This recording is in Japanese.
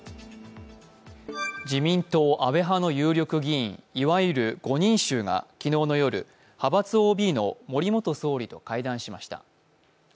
自民党・安倍派の有力議員、いわゆる５人衆が派閥ＯＢの森元総理と会談しました。